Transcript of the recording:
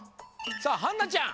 さあはんなちゃん。